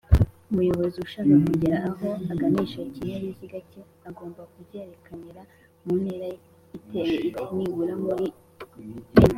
umuyobozi ushaka kugira aho aganisha ikinyabiziga cye agomba kubyerekanira muntera iteye ite?-nibura muri m